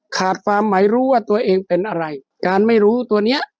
ความหมายรู้ว่าตัวเองเป็นอะไรการไม่รู้ตัวเนี้ย